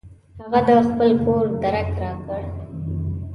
هغه د خپل کور درک راکړ.